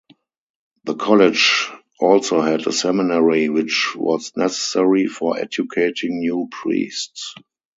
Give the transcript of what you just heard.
The College also had a seminary which was necessary for educating new priests.